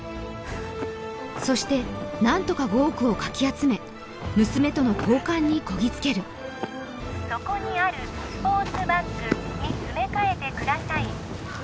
そして何とか５億をかき集め娘との交換にこぎつけるそこにあるスポーツバッグに詰め替えてください